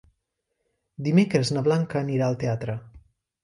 Dimecres na Blanca anirà al teatre.